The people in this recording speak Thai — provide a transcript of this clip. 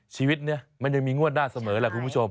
ชีวิตนี้มันยังมีงวดหน้าเสมอแหละคุณผู้ชม